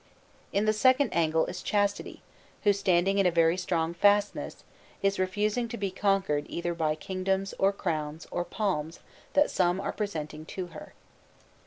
In the second angle is Chastity, who, standing in a very strong fastness, is refusing to be conquered either by kingdoms or crowns or palms that some are presenting to her.